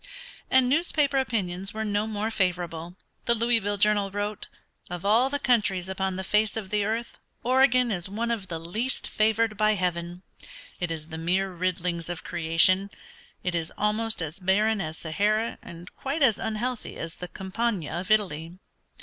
And newspaper opinions were no more favorable. The Louisville Journal wrote, "Of all the countries upon the face of the earth Oregon is one of the least favored by heaven. It is the mere riddlings of creation. It is almost as barren as Sahara and quite as unhealthy as the Campagna of Italy.